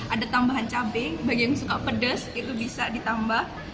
ada tambahan cabai bagi yang suka pedas itu bisa ditambah